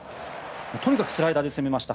とにかくスライダーで攻めました。